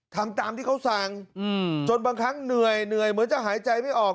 ทำตามที่เขาสั่งจนบางครั้งเหนื่อยเหมือนจะหายใจไม่ออก